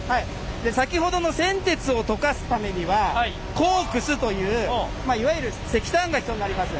先ほどの銑鉄を溶かすためにはコークスというまあいわゆる石炭が必要になります。